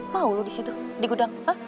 mau lu di gudang